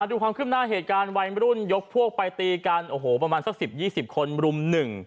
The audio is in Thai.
ดูความขึ้นหน้าเหตุการณ์วัยรุ่นยกพวกไปตีกันโอ้โหประมาณสัก๑๐๒๐คนรุมหนึ่ง